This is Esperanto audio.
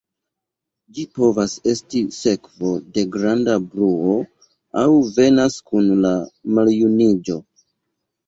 Ĝi povas esti sekvo de granda bruo, aŭ venas kun la maljuniĝo.